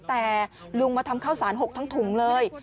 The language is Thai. แต่ลุงมาทำข้าวสาร๖ทั้งถุงเลย